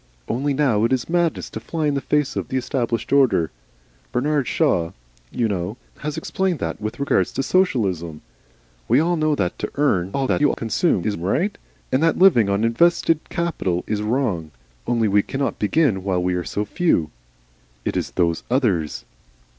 Only now it is madness to fly in the face of the established order. Bernard Shaw, you know, has explained that with regard to Socialism. We all know that to earn all you consume is right, and that living on invested capital is wrong. Only we cannot begin while we are so few. It is Those Others."